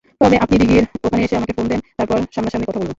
তবে আপনি দীঘির ওখানে এসে আমাকে ফোন দেন তারপর সামনাসামনি কথা বলব।